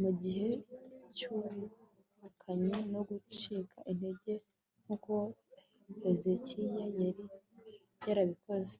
mu gihe cy'ubuhakanyi no gucika integer nk'uko hezekiya yari yarabikoze